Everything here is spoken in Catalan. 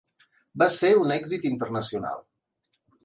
Va ser un èxit internacional.